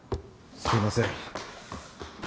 すいません。